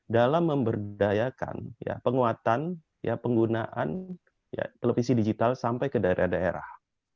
dalam memberdayakan penguatan penggunaan televisi digital sampai ke daerah daerah